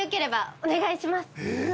えっ！